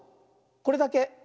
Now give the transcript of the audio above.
これだけ。